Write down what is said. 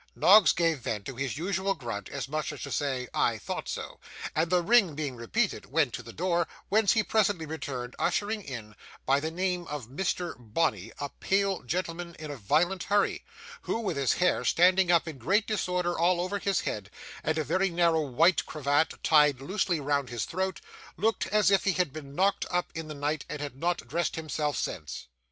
Noggs gave vent to his usual grunt, as much as to say 'I thought so!' and, the ring being repeated, went to the door, whence he presently returned, ushering in, by the name of Mr. Bonney, a pale gentleman in a violent hurry, who, with his hair standing up in great disorder all over his head, and a very narrow white cravat tied loosely round his throat, looked as if he had been knocked up in the night and had not dressed himself since.